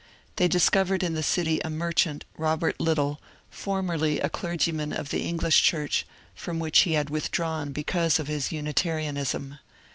They discovered in the city a merchant, Bobert Little, for merly a clergyman of the English Church, from which he had withdrawn because of his Unitarianism.